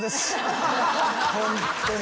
ホントに。